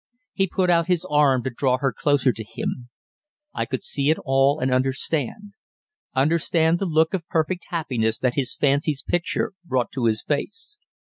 He put out his arm to draw her closer to him. I could see it all and understand understand the look of perfect happiness that his fancy's picture brought to his face.